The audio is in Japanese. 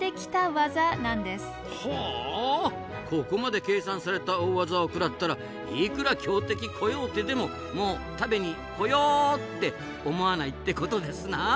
ここまで計算された大技を食らったらいくら強敵コヨーテでももう食べにコヨーって思わないってことですな。